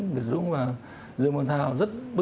điện tập chín